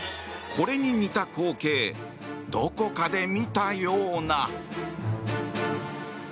これに似た光景どこかで見たような。